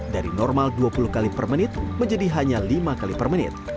dari normal dua puluh kali per menit menjadi hanya lima kali per menit